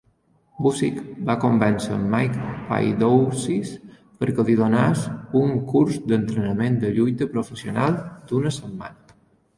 Busick va convèncer en Mike Paidousis per que li donés un curs d'entrenament de lluita professional d'una setmana.